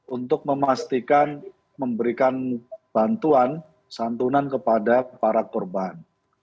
untuk memastikan memberikan bantuan santunan kepada para korban